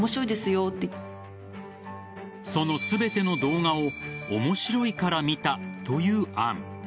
その全ての動画を面白いから見たという杏。